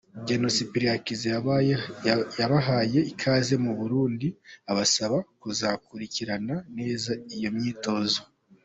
Gen Cyprien Hakiza yabahaye ikaze mu Burundi, abasaba kuzakurikirana neza iyi myitozo.